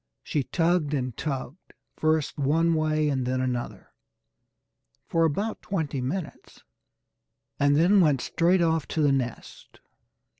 She tugged and tugged, first one way and then another for about twenty minutes, and then went straight off to the nest.